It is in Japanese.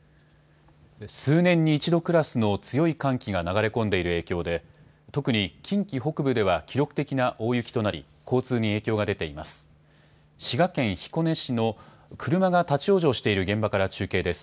数年に一度クラスの強い寒気が流れ込んでいる影響で特に近畿北部では記録的な大雪となり交通に影響が出ています。